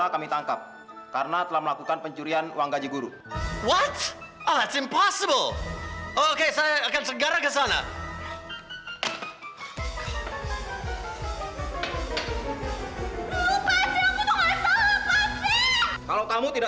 sampai jumpa di video selanjutnya